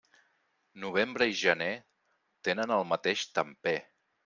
Novembre i gener tenen el mateix temper.